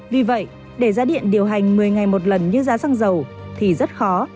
vì vậy để giá điện điều hành một mươi ngày một lần như giá xăng dầu thì rất khó